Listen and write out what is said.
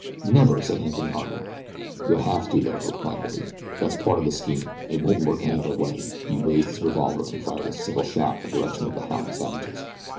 "Never!" said Anthony Harding. "You'll have to, though," replied Billy. "That's part of the scheme. It won't work any other way." He raised his revolver and fired a single shot in the direction of the howling savages.